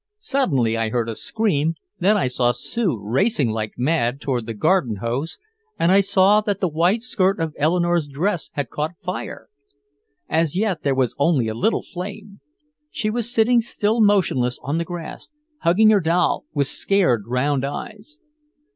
Suddenly I heard a scream, then I saw Sue racing like mad toward the garden hose, and I saw that the white skirt of Eleanore's dress had caught fire. As yet there was only a little flame. She was sitting still motionless on the grass, hugging her doll, with scared round eyes.